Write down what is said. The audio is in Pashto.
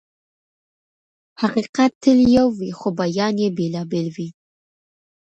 حقيقت تل يو وي خو بيان يې بېلابېل وي.